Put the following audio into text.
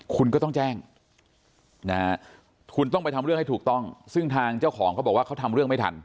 คุณก็ต้องแจ้งคุณต้องไปทำเรื่องให้ถูกต้องซึ่งทางเจ้าของเขาบอกว่าเขาทำเรื่องไม่ทัน